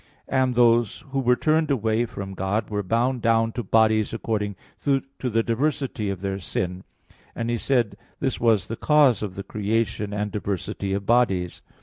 And those who were turned away from God were bound down to bodies according to the diversity of their sin; and he said this was the cause of the creation and diversity of bodies.